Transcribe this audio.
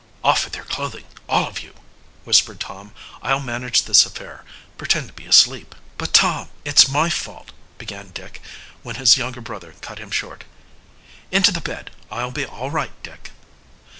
"Off with your clothing, all of you!" whispered Tom. "I'll manage this affair. Pretend to be asleep." "But, Tom, it's my fault " began Dick, when his younger brother cut him short. "Into the bed I'll be all right, Dick."